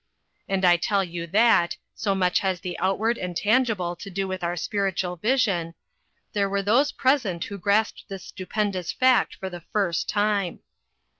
And I tell you that, so much has the outward and tangible to do with our spiritual vision, there were those present who grasped this stupendous fact for the first time.